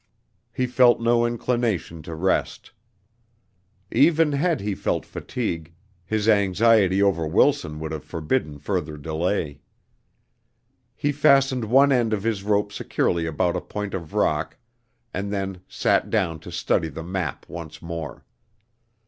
He felt no inclination to rest. Even had he felt fatigue, his anxiety over Wilson would have forbidden further delay. He fastened one end of his rope securely about a point of rock and then sat down to study the map once more.